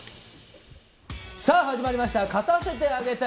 さぁ、始まりました。